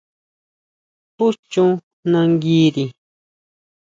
¿Jú chon nanguiri?